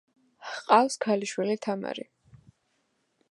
ჰყავს ქალიშვილი თამარი.